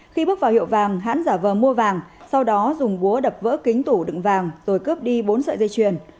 khi bước vào hiệu vàng hãn giả vờ mua vàng sau đó dùng búa đập vỡ kính tủ đựng vàng rồi cướp đi bốn sợi dây chuyền